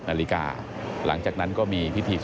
พบหน้าลูกแบบเป็นร่างไร้วิญญาณ